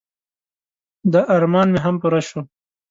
د ارمان مې هم پوره شو.